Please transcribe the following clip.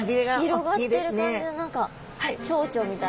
広がってる感じで何かチョウチョみたいな。